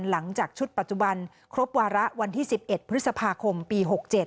หลังจากชุดปัจจุบันครบวาระวันที่๑๑พฤษภาคมปี๖๗